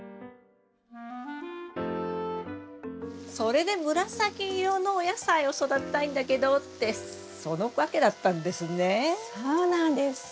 それで紫色のお野菜を育てたいんだけどってその訳だったんですね。